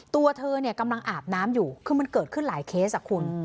ตัวเธอเนี่ยกำลังอาบน้ำอยู่คือมันเกิดขึ้นหลายเคสอ่ะคุณ